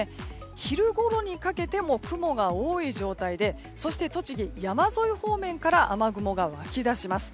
昼ごろにかけても雲が多い状態でそして栃木、山沿い方面から雨雲が湧きだします。